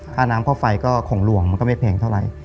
ค่าน้ำค่าไฟก็ของหลวงมันก็ไม่แพงเท่าไหร่